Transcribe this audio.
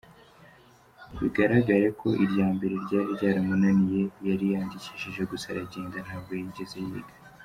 Bigaragare ko irya mbere ryari ryaramunaniye, yariyandikishije gusa aragenda, ntabwo yigeze yiga.